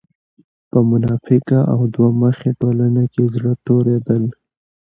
په منافقه او دوه مخې ټولنه کې زړۀ توريدل